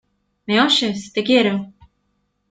¿ me oyes? ¡ te quiero!